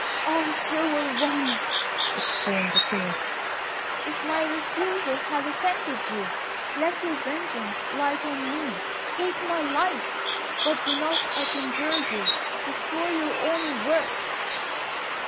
"Ah, cruel one!" exclaimed the Queen, "if my refusal has offended you, let your vengeance light on me. Take my life, but do not, I conjure you, destroy your own work."